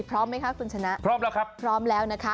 พร้อมไหมคะคุณชนะพร้อมแล้วครับพร้อมแล้วนะคะ